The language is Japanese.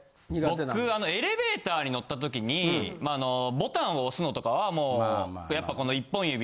僕あのエレベーターに乗ったときにまああのボタンを押すのとかはもうやっぱこの１本指。